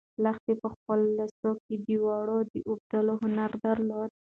لښتې په خپلو لاسو کې د وړیو د اوبدلو هنر درلود.